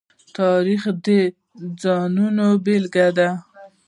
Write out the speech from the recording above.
تاریخ د ځانونو بېلګه ده.